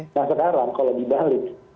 nah sekarang kalau dibalik